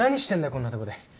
こんなとこで。